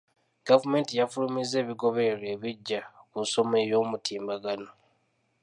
Gavumenti yafulumizza ebigobererwa ebiggya ku nsoma ey'omutimbagano.